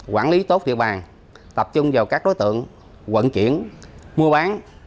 quản lý tốt địa bàn tập trung vào các đối tượng quận chuyển mua bán